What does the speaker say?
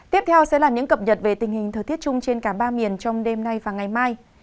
tiếp theo sẽ là những cập nhật về tình hình thời tiết chung trên cả ba miền trong đêm nay và ngày mai